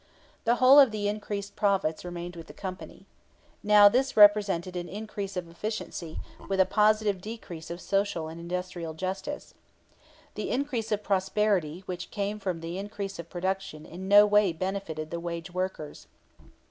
The whole of the increased profits remained with the company. Now this represented an "increase of efficiency," with a positive decrease of social and industrial justice. The increase of prosperity which came from increase of production in no way benefited the wage workers.